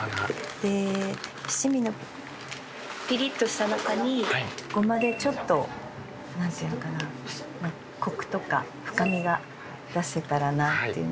で七味のピリッとした中にごまでちょっとなんていうのかなコクとか深みが出せたらなっていう。